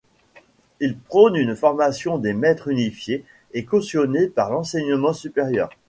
Il prône une formation des maîtres unifiée et cautionnée par l'enseignement supérieur.